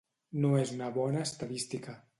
No és una bona estadística.